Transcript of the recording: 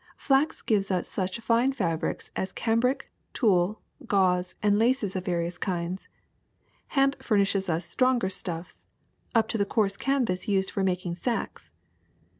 Flax gives us such fine fabrics as cambric, tulle, gauze, and laces of various kinds; hemp furnishes us stronger stuffs, up to the coarse canvas used for making sacks.